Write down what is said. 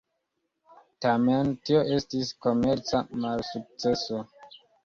Tamen, tio estis komerca malsukceso.